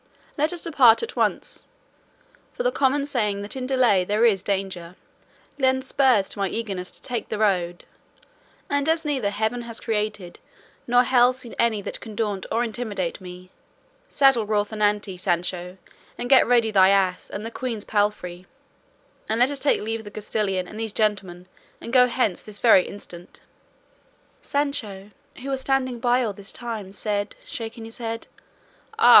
Let us depart at once, for the common saying that in delay there is danger, lends spurs to my eagerness to take the road; and as neither heaven has created nor hell seen any that can daunt or intimidate me, saddle Rocinante, Sancho, and get ready thy ass and the queen's palfrey, and let us take leave of the castellan and these gentlemen, and go hence this very instant." Sancho, who was standing by all the time, said, shaking his head, "Ah!